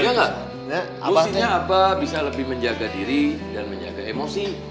maksudnya abah bisa lebih menjaga diri dan menjaga emosi